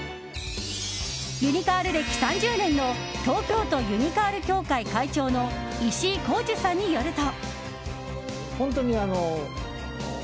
ユニカール歴３０年の東京都ユニカール協会会長の石井功樹さんによると。